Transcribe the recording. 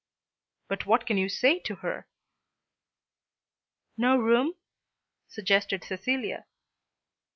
"But what can you say to her?" "No room," suggested Cecilia.